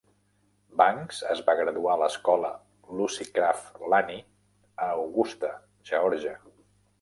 Banks es va graduar a l"escola Lucy Craft Laney a Augusta, Geòrgia.